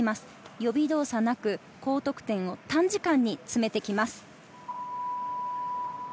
予備動作なく高得点を短時間に詰めてきます。